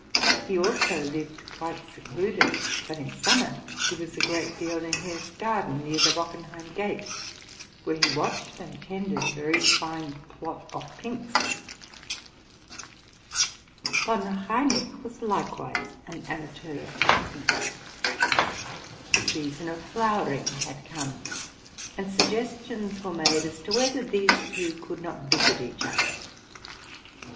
He also lived quite secluded; but in summer he was a great deal in his garden, near the Bockenheim gate, where he watched and tended a very fine plot of pinks. Von Reineck was likewise an amateur of pinks: the season of flowering had come, and suggestions were made as to whether these two eould not visit each other.